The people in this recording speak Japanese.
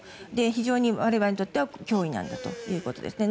非常に我々にとっては脅威なんだということですね。